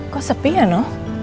kok sepi ya no